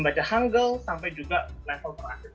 baca hangul sampai juga level perangkat